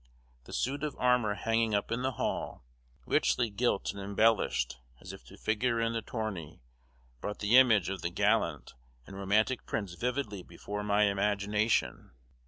The suit of armor hanging up in the hall, richly gilt and embellished, as if to figure in the tourney, brought the image of the gallant and romantic prince vividly before my imagination.